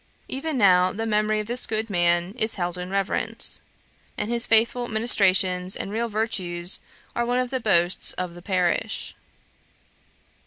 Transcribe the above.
Even now the memory of this good man is held in reverence, and his faithful ministrations and real virtues are one of the boasts of the parish.